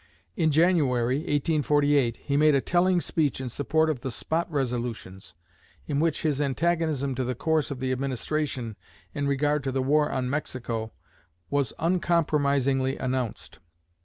In January, 1848, he made a telling speech in support of the "Spot Resolutions," in which his antagonism to the course of the Administration in regard to the war on Mexico was uncompromisingly announced.